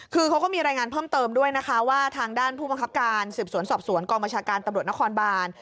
คือเขาก็มีรายงานเพิ่มเติมด้วยนะคะว่าทางด้านผู้บังคับการสืบสวนสอบสวนกองบัญชาการตำรวจนครบาน